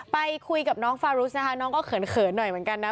ไปคุยกับน้องฟารุสนะคะน้องก็เขินหน่อยเหมือนกันนะ